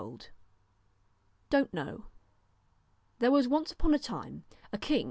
13* DONT KNOW [HERE was once upon a time a king DON'T.